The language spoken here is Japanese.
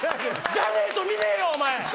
じゃねえと見ねえよ！